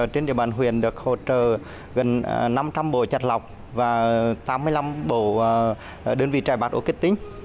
trên địa bàn huyện được hỗ trợ gần năm trăm linh bộ chạt lọc và tám mươi năm bộ đơn vị trại bạc ô kết tinh